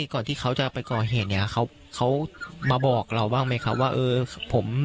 ก่อนที่เขาจะไปก่อเหตุเนี่ยเขามาบอกเราบ้างไหมครับว่าเออผม